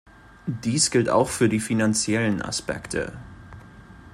Dies gilt auch für die finanziellen Aspekte.